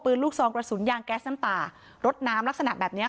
ลูกซองกระสุนยางแก๊สน้ำตารถน้ำลักษณะแบบเนี้ย